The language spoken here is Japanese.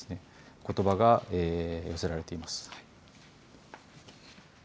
ことばが寄せられています。